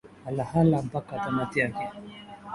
ala haya mpaka tamati yake